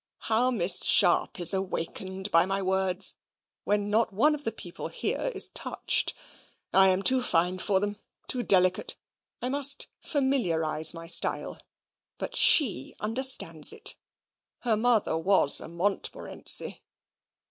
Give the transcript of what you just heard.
"How Miss Sharp is awakened by my words, when not one of the people here is touched. I am too fine for them too delicate. I must familiarise my style but she understands it. Her mother was a Montmorency."